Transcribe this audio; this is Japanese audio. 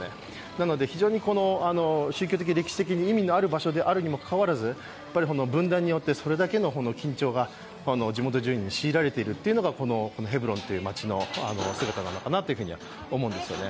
なので非常に宗教的、歴史的に意味のある場所であるにもかかわらず、分断によって、それだけの緊張が地元住民に強いられているのがこのヘブロンという町の姿なのかなと思うんですよね。